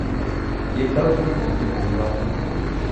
یہ تب ہی ممکن ہو گا۔